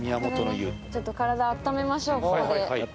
ちょっと体をあっためましょう、ここで。